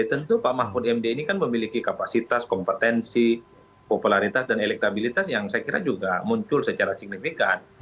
tentu pak mahfud md ini kan memiliki kapasitas kompetensi popularitas dan elektabilitas yang saya kira juga muncul secara signifikan